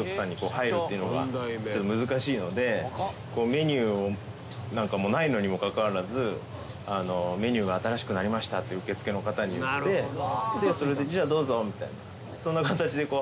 「メニューなんかもないのにもかかわらず『メニューが新しくなりました』って受付の方に言って『じゃあどうぞ』みたいな」